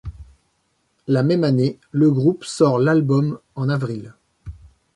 La même année, le groupe sort l'album ' en avril.